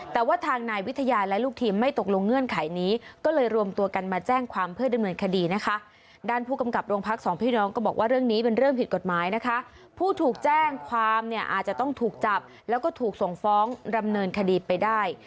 แต่ว่าทางนายวิทยาละลูกทีมไม่ตกลงเงื่อนไขนี้